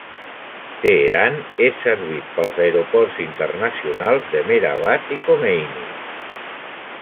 Teheran és servit pels aeroports internacionals de Mehrabad i Khomeini.